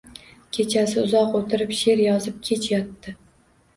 Kechasi uzoq o‘tirib she’r yozib, kech yotdi.